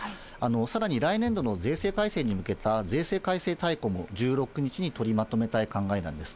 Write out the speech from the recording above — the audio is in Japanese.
さらに来年度の税制改正に向けた税制改正大綱も１６日に取りまとめたい考えなんです。